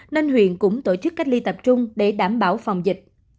nên huyện cũng tổ chức cách ly tập trung để đảm bảo phòng dịch